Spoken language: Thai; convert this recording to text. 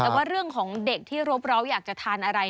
แต่ว่าเรื่องของเด็กที่รบร้าวอยากจะทานอะไร